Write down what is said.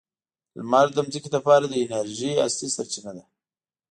لمر د ځمکې لپاره د انرژۍ اصلي سرچینه ده.